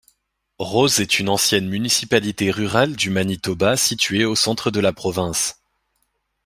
Rose est une ancienne municipalité rurale du Manitoba située au centre de la province.